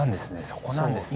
そこなんですね。